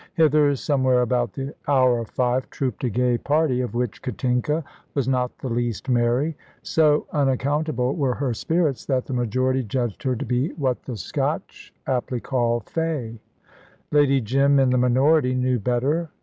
Hither, somewhere about the hour of five, trooped a gay party, of which Katinka was not the least merry. So unaccountable were her spirits, that the majority judged her to be what the Scotch aptly call "fey." Lady Jim, in the minority, knew better.